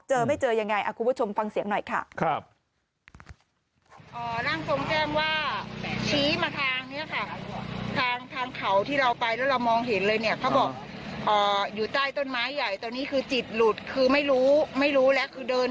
ไม่เจอยังไงคุณผู้ชมฟังเสียงหน่อยค่ะ